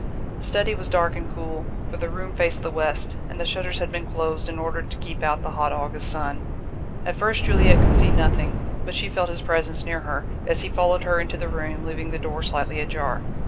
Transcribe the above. The study was dark and cool; for the room faced the west, and the shutters had been closed, in order to keep out the hot August sun. At first Juliette could see nothing, but she felt his presence near her, as he followed her into the room, leaving the door slightly ajar.